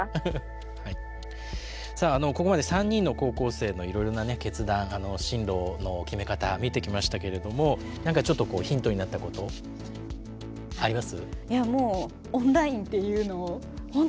さあここまで３人の高校生のいろいろな決断進路の決め方見てきましたけれどもなんかちょっとこうヒントになったことあります？